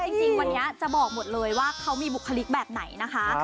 จริงวันนี้จะบอกหมดเลยว่าเขามีบุคลิกแบบไหนนะคะ